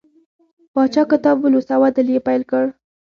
پاچا کتاب ولوست او عدل یې پیل کړ.